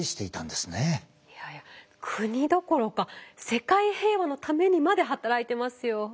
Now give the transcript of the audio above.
国どころか世界平和のためにまで働いてますよ！